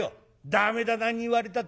「駄目だ何言われたって。